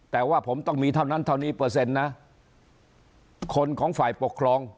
แต่ว่าผมต้องมีเท่านั้นเท่านี้เปอร์เซ็นต์นะคนของฝ่ายปกครอง